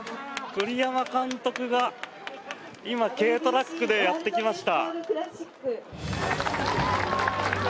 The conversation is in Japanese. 栗山監督が今、軽トラックでやってきました。